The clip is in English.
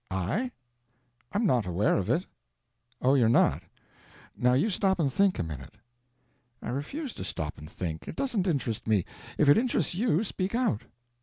"I? I'm not aware of it." "Oh, you're not? Now you stop and think, a minute." "I refuse to stop and think. It doesn't interest me. If it interests you, speak out."